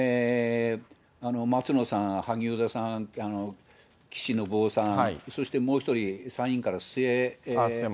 松野さん、萩生田さん、岸信夫さん、そしてもう一人、参議院から。